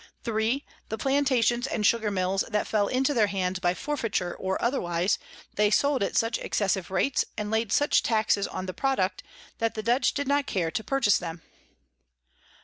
3. The Plantations and Sugar Mills that fell into their hands by Forfeiture or otherwise, they sold at such excessive Rates, and laid such Taxes on the Product, that the Dutch did not care to purchase them.